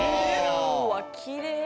うわきれい。